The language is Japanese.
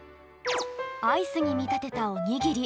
アイスにみたてたおにぎり。